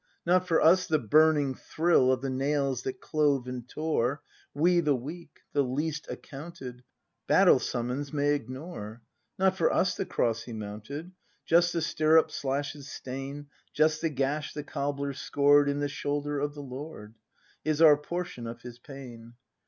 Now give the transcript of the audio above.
Not for us the burning thrill Of the nails that clove and tore. We, the weak, the least accounted, Battle summons may ignore! Not for us the Cross He mounted! Just the stirrup slash's stain. Just the gash the cobbler scored In the shoulder of the Lord, Is our portion of His pain!